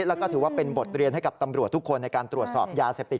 แล้วก็ถือว่าเป็นบทเรียนให้กับตำรวจทุกคนในการตรวจสอบยาเสพติด